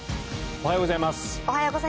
おはようございます。